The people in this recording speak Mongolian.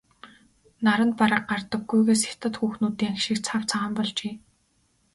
Наранд бараг гардаггүйгээс хятад хүүхнүүдийнх шиг цав цагаан болжээ.